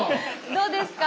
どうですか？